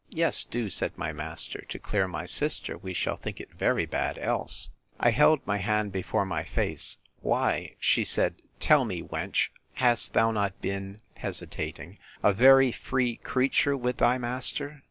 Yes, do, said my master, to clear my sister; we shall think it very bad else. I held my hand before my face—Why, she said, Tell me, wench, hast thou not been—hesitating—a very free creature with thy master?